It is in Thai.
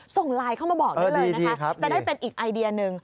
ส่งไลน์เข้ามาบอกได้เลยนะคะจะได้เป็นอีกไอเดียหนึ่ง